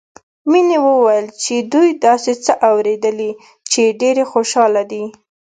مينې وويل چې دوي داسې څه اورېدلي چې ډېرې خوشحاله دي